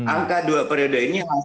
angka dua periode ini hasil dari perenungan